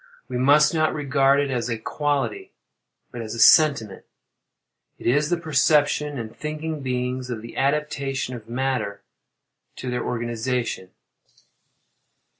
We must not regard it as a quality, but as a sentiment:—it is the perception, in thinking beings, of the adaptation of matter to their organization.